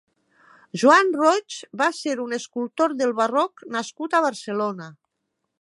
Joan Roig va ser un escultor del barroc nascut a Barcelona.